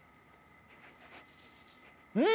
うん！